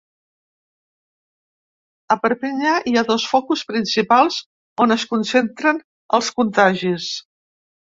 A Perpinyà hi ha dos focus principals on es concentren els contagis.